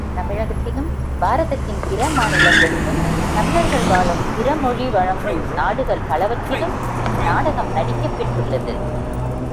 தமிழகத்திலும், பாரதத்தின் பிற மாநிலங்களிலும், தமிழர்கள் வாழும் பிற மொழி வழங்கும் நாடுகள் பலவற்றிலும் இந்நாடகம் நடிக்கப் பெற்றுள்ளது.